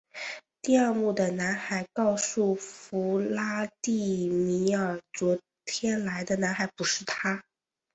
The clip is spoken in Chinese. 第二幕的男孩告诉弗拉第米尔昨天来的男孩不是他。